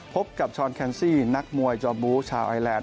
พบกับชอนแคนซี่นักมวยจอบูชาวไอแลนด